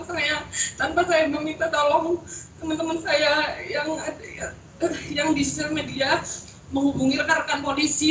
saya tanpa saya meminta tolong teman teman saya yang di sosial media menghubungi rekan rekan polisi